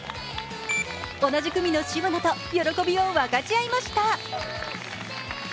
同じ組の渋野と喜びを分かち合いました。